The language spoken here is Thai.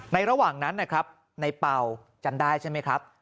ในระหว่างนั้นในเป่าจำได้ใช่ไหมครับ